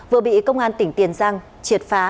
vừa bị công an tỉnh tiền giang triệt phá